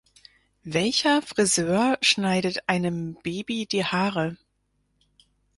Welcher Frisör schneidet einem Baby die Haare?